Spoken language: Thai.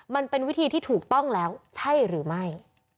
มันเป็นวิธีที่ถูกต้องแล้วใช่หรือไม่